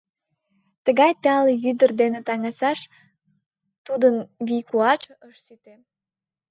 Тыгай тале ӱдыр дене таҥасаш тудын вий-куатше ыш сите.